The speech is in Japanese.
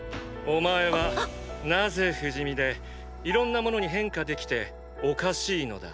お前はなぜ不死身でいろんな物に変化できておかしいのだ？